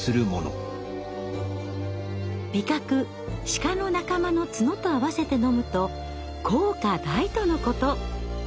シカの仲間の角と合わせて飲むと効果大とのこと。